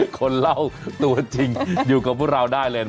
คนเล่าตัวจริงอยู่กับพวกเราได้เลย